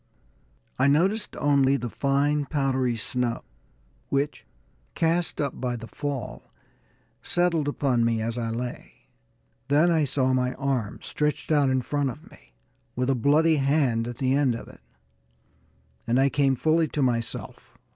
I noticed only the fine, powdery snow which, cast up by the fall, settled upon me as I lay. Then I saw my arm, stretched out in front of me, with a bloody hand at the end of it, and I came fully to myself.